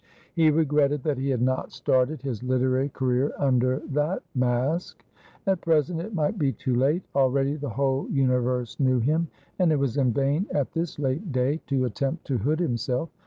He regretted that he had not started his literary career under that mask. At present, it might be too late; already the whole universe knew him, and it was in vain at this late day to attempt to hood himself.